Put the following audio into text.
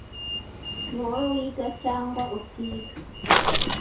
Ni wowe wiga cyangwa utiga.